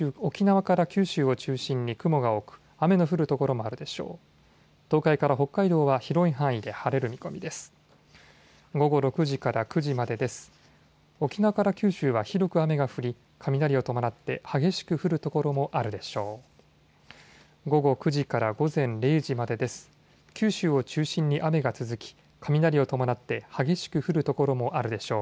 沖縄から九州は広く雨が降り、雷を伴って激しく降る所もあるでしょう。